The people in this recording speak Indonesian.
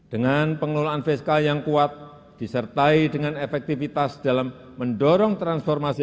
dengan pengelolaan fiskal yang kuat disertai dengan efektivitas dalam mendorong transformasi